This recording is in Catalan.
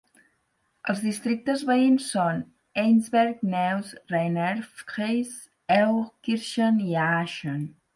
Els districtes veïns són Heinsberg, Neuss, Rhein-Erft-Kreis, Euskirchen i Aachen.